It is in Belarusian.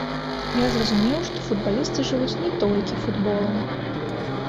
Я зразумеў, што футбалісты жывуць не толькі футболам.